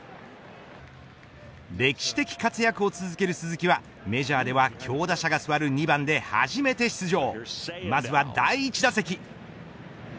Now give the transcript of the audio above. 歴史的活躍を続ける鈴木はメジャーでは強打者が座る２番で初めて出場。